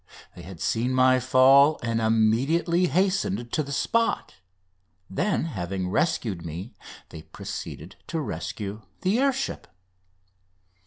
They had seen my fall, and immediately hastened to the spot. Then, having rescued me, they proceeded to rescue the air ship.